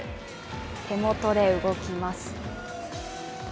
手元で動きます。